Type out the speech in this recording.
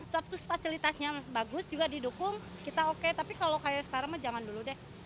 terus fasilitasnya bagus juga didukung kita oke tapi kalau kayak sekarang mah jangan dulu deh